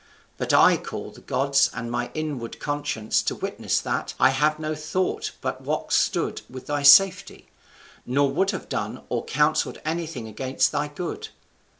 But I call the gods and my inward conscience to witness that I have no thought but what stood with thy safety, nor would have done or counselled anything against thy good.